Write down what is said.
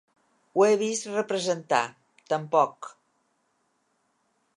Ho he vist representar…; tampoc…